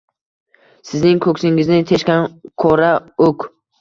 Sizning ko’ksingizni teshgan kora o’k.